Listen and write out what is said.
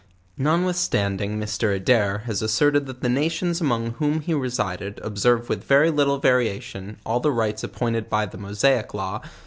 Notwithstanding.Mr. Adair has asserted that the nations among whom he resided, observe with very little variation all the rites appointed by the Mosaic Law.